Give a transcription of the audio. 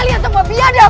kalian semua biadab